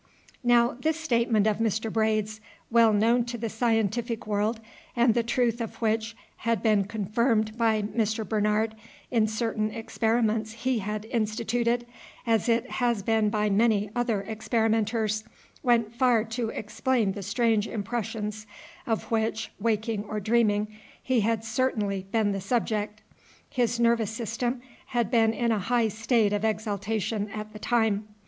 Now this statement of Mr. Braid's, well known to the scientific world, and the truth of which had been confirmed by Mr. Bernard in certain experiments he had instituted, as it has been by many other experimenters, went far to explain the strange impressions, of which, waking or dreaming, he had certainly been the subject. His nervous system had been in a high state of exaltation at the time.